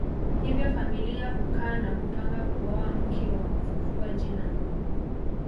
Hivyo familia hukaa na kupanga kuoa mke wa kufufua jina